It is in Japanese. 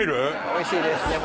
おいしいですいや